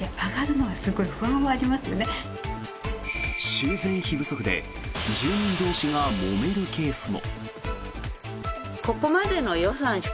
修繕費不足で住民同士がもめるケースも。